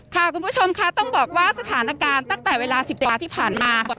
คุณผู้ชมค่ะต้องบอกว่าสถานการณ์ตั้งแต่เวลา๑๐นาฬิกาที่ผ่านมา